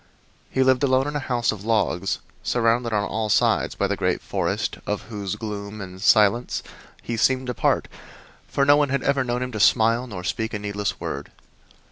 He lived alone in a house of logs surrounded on all sides by the great forest, of whose gloom and silence he seemed a part, for no one had ever known him to smile nor speak a needless word.